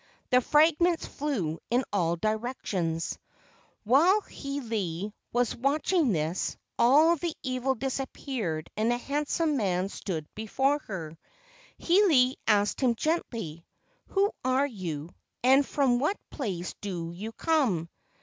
The fragments flew in all directions. While Hiilei was watching this, all the evil disappeared and a handsome man stood before her. Hiilei asked him gently, "Who are you, and from what place do you come?"